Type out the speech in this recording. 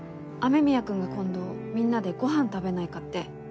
雨宮くんが今度みんなでご飯食べないかって。